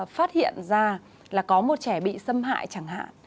phát hiện ra là có một trẻ bị xâm hại chẳng hạn